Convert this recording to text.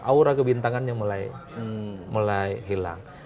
aura kebintangannya mulai hilang